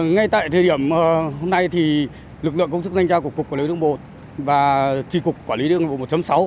ngay tại thời điểm hôm nay thì lực lượng công chức thanh tra của cục quản lý đường bộ và trị cục quản lý đường bộ một sáu